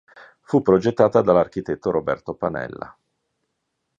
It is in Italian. Fu progettata dall'architetto Roberto Panella.